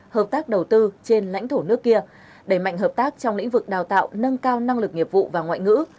hợp tác đầu tư trên lãnh thổ nước kia đẩy mạnh hợp tác trong lĩnh vực đào tạo nâng cao năng lực nghiệp vụ và ngoại ngữ